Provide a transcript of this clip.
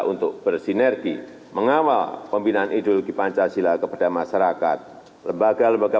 untuk bersinergi mengawal pembinaan ideologi pancasila kepada masyarakat lembaga lembaga